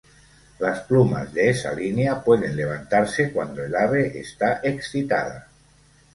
Las plumas de esa línea pueden levantarse cuando el ave está excitada.